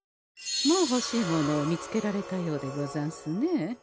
もうほしいものを見つけられたようでござんすね。